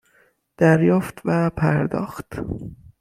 دریافت و پرداخت